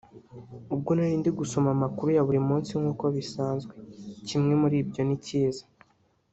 ubwo nari ndi gusoma amakuru ya buri munsi nk’uko bisanzwe; kimwe muri byo ni cyiza